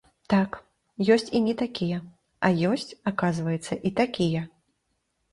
Так, ёсць і не такія, а ёсць, аказваецца, і такія.